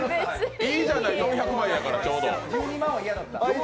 いいじゃない、４００枚やからちょうど。